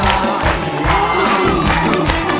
ได้ยังไง